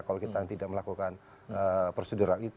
kalau kita tidak melakukan prosedural itu